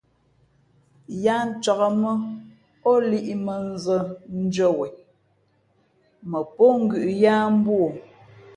Yáá ncāk mά ó líꞌmᾱ nzᾱndʉ́ά wen, mα póngʉ̌ʼ yáá mbú o.